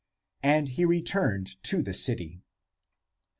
And he returned to the city.